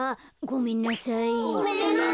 ごめんなさい。